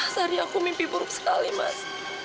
sehari aku mimpi buruk sekali mas